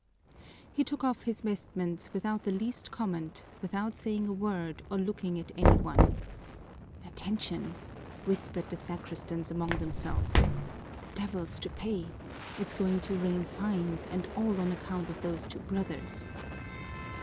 He took off his vestments without the least comment, without saying a word or looking at any one. "Attention!" whispered the sacristans among themselves. "The devil's to pay! It's going to rain fines, and all on account of those two brothers."